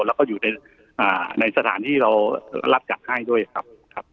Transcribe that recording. แล้วก็อยู่ในสถานที่เรารับจัดให้ด้วยครับ